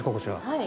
はい。